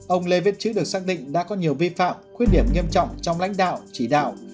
ông lê viết chữ được xác định đã có nhiều vi phạm khuyết điểm nghiêm trọng trong lãnh đạo chỉ đạo